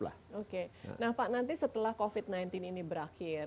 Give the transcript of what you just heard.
nah pak nanti setelah covid sembilan belas ini berakhir